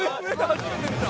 初めて見た